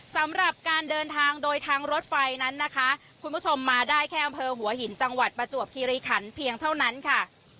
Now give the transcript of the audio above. สำหรับการเดินทางโดยทางรถไฟนั้นนะคะคุณผู้ชมมาได้แค่อำเภอหัวหินจังหวัดประจวบคีรีขันเพียงเท่านั้นค่ะ